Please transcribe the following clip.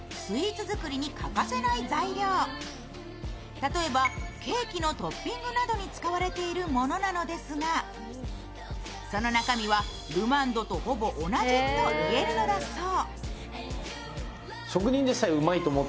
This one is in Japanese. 例えばケーキのトッピングなどに使われているものなのですが、その中身はルマンドとほぼ同じといえるのだそう。